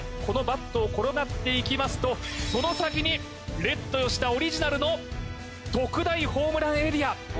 このバットを転がっていきますとその先にレッド吉田オリジナルの特大ホームランエリア